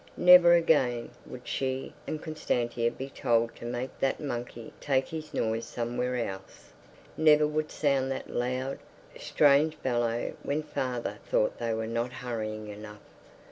Never again would she and Constantia be told to make that monkey take his noise somewhere else. Never would sound that loud, strange bellow when father thought they were not hurrying enough.